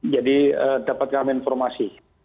jadi dapat kami informasi